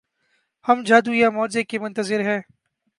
ہم جادو یا معجزے کے منتظر ہیں۔